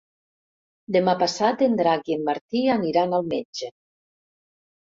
Demà passat en Drac i en Martí aniran al metge.